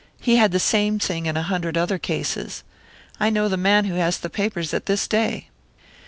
He had the same thing in a hundred other cases. I know the man who has the papers at this day."